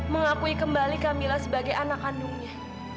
mengakui kembali camilla sebagai anak kandungnya